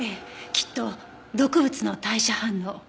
きっと毒物の代謝反応。